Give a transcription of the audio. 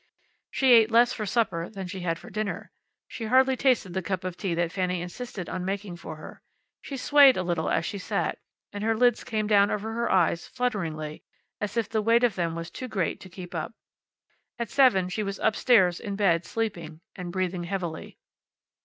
She ate less for supper than she had for dinner. She hardly tasted the cup of tea that Fanny insisted on making for her. She swayed a little as she sat, and her lids came down over her eyes, flutteringly, as if the weight of them was too great to keep up. At seven she was up stairs, in bed, sleeping, and breathing heavily.